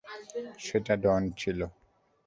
সেটা ডন ছিল।